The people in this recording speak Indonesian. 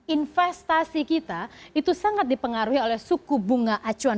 investasi kita itu sangat dipengaruhi oleh suku bunga acuan